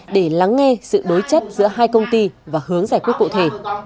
để lắng nghe sự đối chất giữa hai công ty và hướng giải quyết cụ thể